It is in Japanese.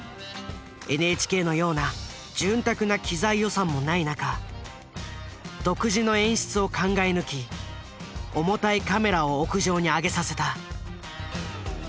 ＮＨＫのような潤沢な機材予算もない中独自の演出を考え抜き重たいカメラを屋上に上げさせた。